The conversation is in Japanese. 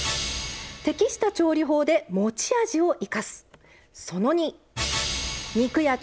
適した調理法で持ち味を生かす。